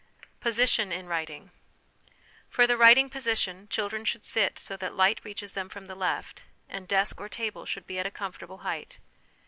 Position in Writing. For the writing position children should sit so that light reaches them from the left, and desk or table should be at a comfortable height.